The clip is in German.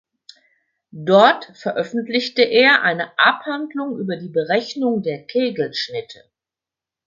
Dort veröffentlichte er eine Abhandlung über die Berechnung der Kegelschnitte.